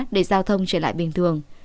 để giao thông trở lại bình thường